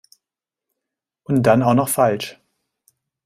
Und dann auch noch falsch!